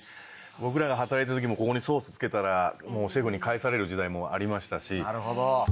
僕らが働いてた時もここにソース付けたらシェフに帰される時代もありましたし。